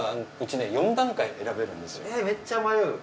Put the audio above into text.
めっちゃ迷う。